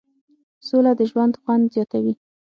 سوله د ژوند خوند زیاتوي.